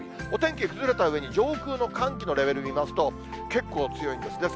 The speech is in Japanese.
お天気が崩れたうえに、上空の寒気のレベル、見ますと、結構強いんです。